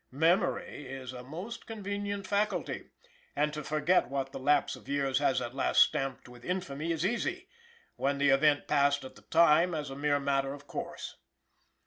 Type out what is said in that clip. Memory is a most convenient faculty; and to forget what the lapse of years has at last stamped with infamy is easy, when the event passed at the time as a mere matter of course.